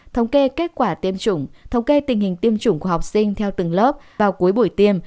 thống kê kết quả tiêm chủng thống kê tình hình tiêm chủng của học sinh theo từng lớp vào cuối buổi tiêm